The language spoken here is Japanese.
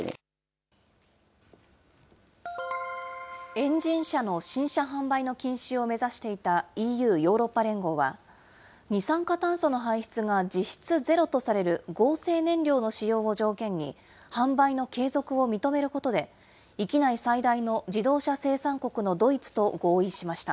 エンジン車の新車販売の禁止を目指していたＥＵ・ヨーロッパ連合は、二酸化炭素の排出が実質ゼロとされる合成燃料の使用を条件に、販売の継続を認めることで、域内最大の自動車生産国のドイツと合意しました。